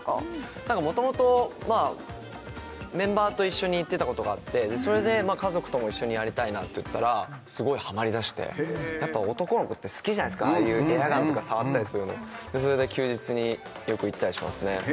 なんか元々メンバーと一緒に行ってたことがあってそれで家族とも一緒にやりたいなって言ったらすごいハマりだしてやっぱ男の子って好きじゃないですかああいうエアガンとか触ったりするのそれで休日によく行ったりしますね